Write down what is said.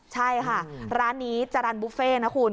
ใช่ค่ะร้านนี้จรรย์บุฟเฟ่นะคุณ